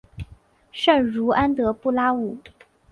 圣茹安德布拉武。